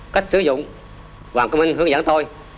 cách sử dụng hoàng cơ minh hướng dẫn tôi